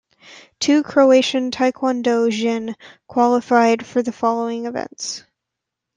Two Croatian taekwondo jin qualified for the following events.